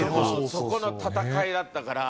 そこの戦いだったから。